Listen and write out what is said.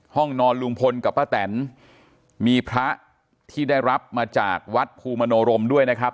ห้องนอนลุงพลกับป้าแตนมีพระที่ได้รับมาจากวัดภูมิโนรมด้วยนะครับ